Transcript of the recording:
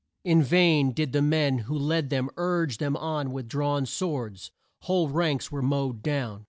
In vain did the men who led them urge them on with drawn swords. Whole ranks were mowed down.